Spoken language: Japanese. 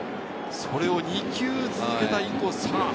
それを２球続けたインコース。